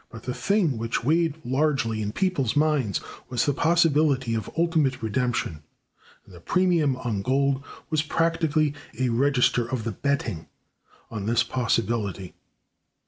But the thing which weighed largely in people's minds was the possibility of ultimate redemption; and the premium on gold was practically a register of the "betting" on this possibility.